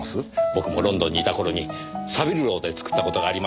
僕もロンドンにいた頃にサヴィルロウで作った事がありましてね。